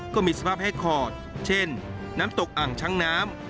ก็มีสภาพแห้งขอดเช่นน้ำตกอ่างช้างน้ำ